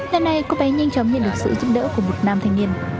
lần này cô bé nhanh chóng nhận được sự giúp đỡ của một nam thanh niên